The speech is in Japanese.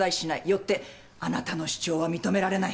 よってあなたの主張は認められない。